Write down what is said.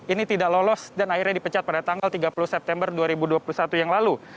ini tidak lolos dan akhirnya dipecat pada tanggal tiga puluh september dua ribu dua puluh satu yang lalu